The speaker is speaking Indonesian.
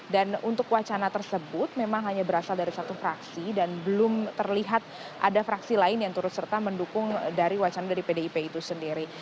dan untuk wacana tersebut memang hanya berasal dari satu fraksi dan belum terlihat ada fraksi lain yang turut serta mendukung dari wacana dari pdip itu sendiri